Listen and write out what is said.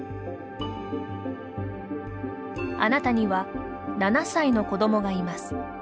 あなたには７歳の子どもがいます。